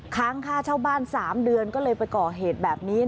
ค้างค่าเช่าบ้าน๓เดือนก็เลยไปก่อเหตุแบบนี้